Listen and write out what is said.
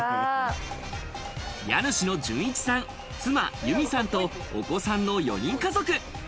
家主の純一さん、妻・ゆみさんと、お子さんの４人家族。